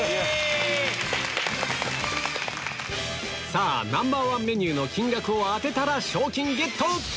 さぁＮｏ．１メニューの金額を当てたら賞金ゲット！